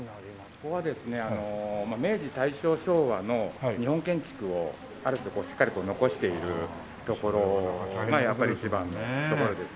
ここはですね明治大正昭和の日本建築をある程度しっかりこう残しているところがやっぱり一番のところですね。